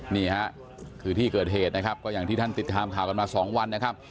นี่ฮะคือที่เกิดเหตุนะครับก็อย่างที่ท่านติดตามข่าวกันมา๒วันนะครับ